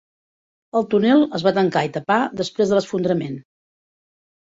El túnel es va tancar i tapar després de l'esfondrament.